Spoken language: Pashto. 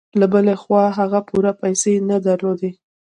له بلې خوا هغه پوره پيسې هم نه درلودې.